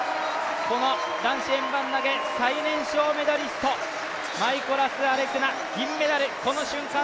男子円盤投最年少メダリストマイコラス・アレクナ銀メダル、この瞬間